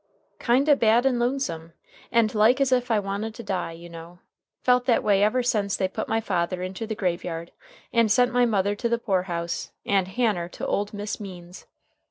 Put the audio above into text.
"Kind o' bad and lonesome, and like as if I wanted to die, you know. Felt that way ever sence they put my father into the graveyard, and sent my mother to the poor house and Hanner to ole Miss Means's.